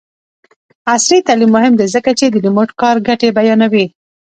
عصري تعلیم مهم دی ځکه چې د ریموټ کار ګټې بیانوي.